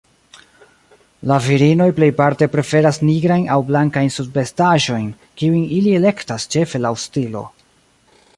La virinoj plejparte preferas nigrajn aŭ blankajn subvestaĵojn, kiujn ili elektas ĉefe laŭ stilo.